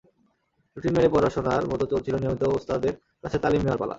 Routine মেনে পড়াশোনার মতো চলছিল নিয়মিত ওস্তাদের কাছে তালিম নেওয়ার পালা।